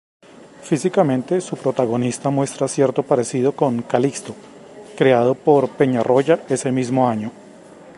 Físicamente, su protagonista muestra cierto parecido con "Calixto", creado por Peñarroya ese mismo año.